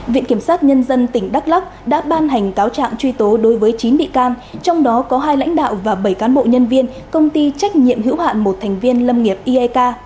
viện kiểm sát nhân dân tỉnh đắk lắc đã ban hành cáo trạng truy tố đối với chín bị can trong đó có hai lãnh đạo và bảy cán bộ nhân viên công ty trách nhiệm hữu hạn một thành viên lâm nghiệp iek